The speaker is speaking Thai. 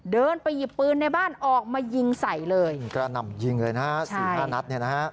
เดินไปหยิบปืนในบ้านออกมายิงใส่เลยยิงกระหน่ำยิงเลยนะฮะสี่ห้านัดเนี่ยนะฮะ